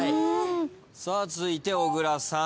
続いて小倉さん。